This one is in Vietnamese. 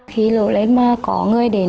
khi lũ lên mà có người đến